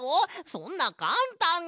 そんなかんたんに。